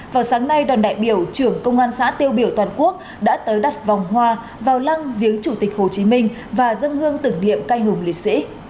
vào sáng nay đoàn đại biểu trưởng công an xã tiêu biểu toàn quốc đã tới đặt vòng hoa vào lăng viếng chủ tịch hồ chí minh và dân hương tưởng niệm canh hùng liệt sĩ